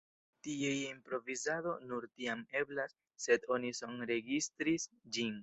Tio je improvizado nur tiam eblas, se oni sonregistris ĝin.